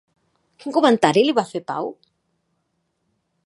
Quin comentari li va fer Pau?